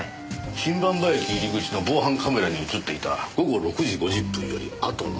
新馬場駅入り口の防犯カメラに映っていた午後６時５０分よりあとの。